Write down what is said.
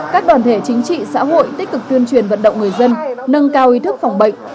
các đoàn thể chính trị xã hội tích cực tuyên truyền vận động người dân nâng cao ý thức phòng bệnh